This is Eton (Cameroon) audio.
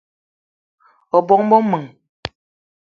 O bóng-be m'men